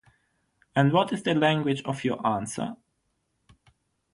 And what is the language of your answer...?